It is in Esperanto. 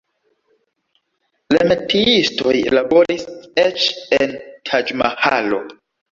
La metiistoj laboris eĉ en Taĝ-Mahalo.